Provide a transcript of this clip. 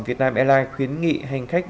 việt nam airlines khuyến nghị hành khách